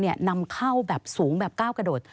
นำเข้าแบบสูงแบบก้าวกระโดด